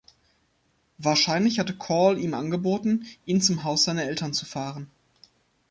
Wahrscheinlich hatte Corll ihm angeboten, ihn zum Haus seiner Eltern zu fahren.